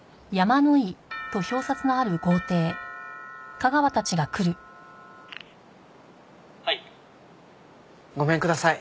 あなたも「はい」ごめんください。